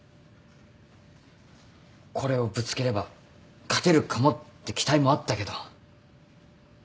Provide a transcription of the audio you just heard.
これをぶつければ勝てるかもって期待もあったけど。